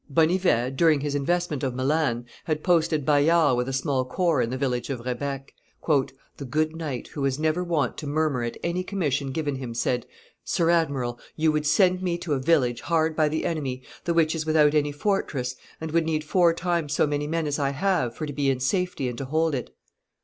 Bonnivet, during his investment of Milan, had posted Bayard with a small corps in the village of Rebec. "The good knight, who was never wont to murmur at any commission given him, said, 'Sir Admiral, you would send me to a village hard by the enemy, the which is without any fortress, and would need four times so many men as I have, for to be in safety and to hold it.